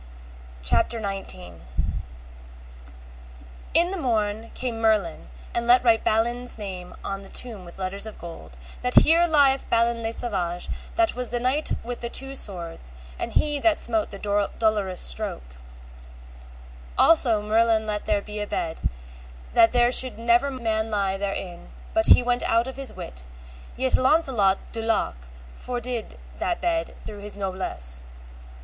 CHAPTER XIX. How Merlin buried them both in one tomb, and of Balin's sword. In the morn came Merlin and let write Balin's name on the tomb with letters of gold, that Here lieth Balin le Savage that was the Knight with the Two Swords, and he that smote the Dolorous Stroke. Also Merlin let make there a bed, that there should never man lie therein but he went out of his wit, yet Launcelot de Lake fordid that bed through his noblesse.